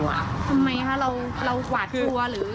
ทำไมคะเราหวาดกลัวหรือ